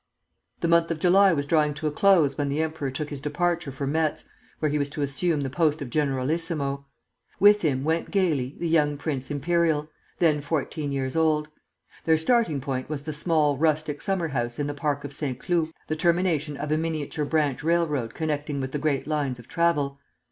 "The month of July was drawing to a close when the emperor took his departure for Metz, where he was to assume the post of generalissimo. With him went gayly the young Prince Imperial, then fourteen years old. Their starting point was the small rustic summer house in the park of Saint Cloud, the termination of a miniature branch railroad connecting with the great lines of travel.